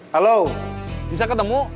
halo bisa ketemu